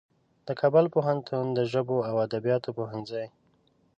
د کابل پوهنتون د ژبو او ادبیاتو پوهنځي